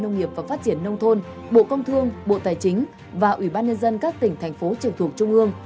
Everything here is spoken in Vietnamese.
nông nghiệp và phát triển nông thôn bộ công thương bộ tài chính và ủy ban nhân dân các tỉnh thành phố trực thuộc trung ương